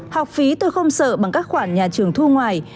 học phí tôi không sợ bằng các khoản nhà trường thu ngoài